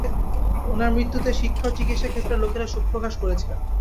উনার মৃত্যুতে শিক্ষা ও চিকিৎসাক্ষেত্রের লোকেরা শোক প্রকাশ করেছেন।